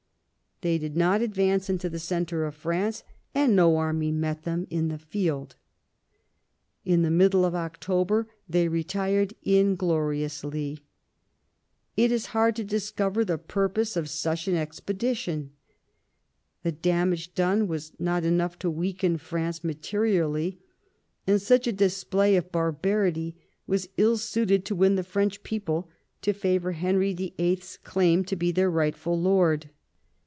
They did not advance into the centre of France, and no army met them in the field j in the middle of October they retired ingloriously. It is hard to discover the purpose of such an expedition. The damage done was not enough to weaken France materially, and such a display of barbarity was ill suited to win the French people to favour Henry VIIL's claim to be their rightful lord.